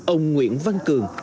ông nguyễn văn cường